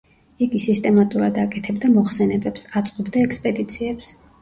იგი სისტემატურად აკეთებდა მოხსენებებს, აწყობდა ექსპედიციებს.